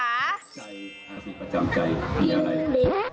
ใจอาธิประจำใจคืออย่างไร